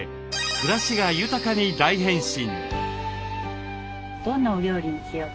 暮らしが豊かに大変身。